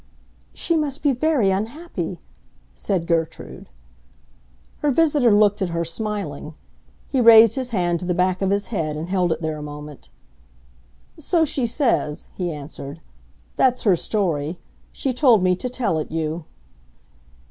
"She must be very unhappy!" said Gertrude. Her visitor looked at her, smiling; he raised his hand to the back of his head and held it there a moment. "So she says," he answered. "That's her story. She told me to tell it you."